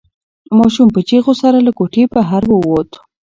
ماشوم په چیغو سره له کوټې بهر ووت.